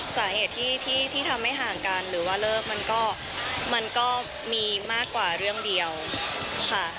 สาเหตุที่ทำให้ห่างกันหรือว่าเลิกมันก็มันก็มีมากกว่าเรื่องเดียวค่ะ